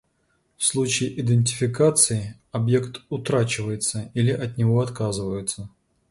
В случае идентификации объект утрачивается или от него отказываются.